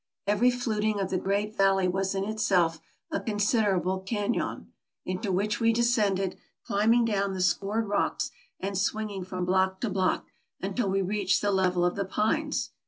Every fluting of the great valley was in it self a considerable canon, into which we descended, climb ing down the scored rocks, and swinging from block to block, until we reached the level of the pines.